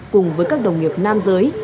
cùng với các đồng nghiệp nam giới